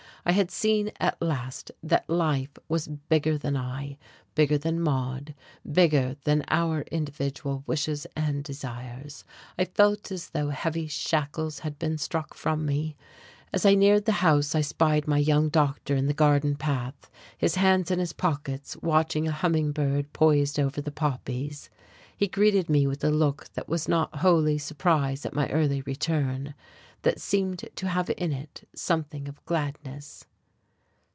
I had seen at last that life was bigger than I, bigger than Maude, bigger than our individual wishes and desires. I felt as though heavy shackles had been struck from me. As I neared the house I spied my young doctor in the garden path, his hands in his pockets watching a humming bird poised over the poppies. He greeted me with a look that was not wholly surprise at my early return, that seemed to have in it something of gladness.